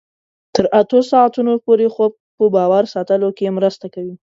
تر اتو ساعتونو پورې خوب په باور ساتلو کې مرسته کوي.